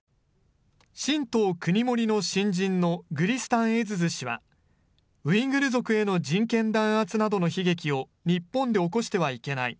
新党くにもりの新人のグリスタンエズズ氏は、ウイグル族への人権弾圧などの悲劇を日本で起こしてはいけない。